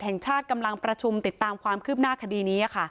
แห่งชาติกำลังประชุมติดตามความคืบหน้าคดีนี้ค่ะ